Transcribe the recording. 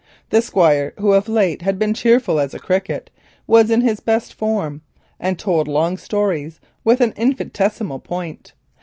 The Squire, who of late had been cheerful as a cricket, was in his best form, and told long stories with an infinitesimal point.